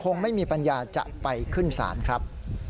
คงไม่มีปัญญาจะไปขึ้นศาลครับ